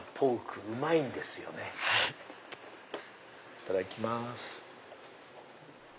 いただきます。